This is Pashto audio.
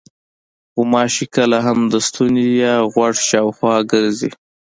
غوماشې کله هم د ستوني یا غوږ شاوخوا ګرځي.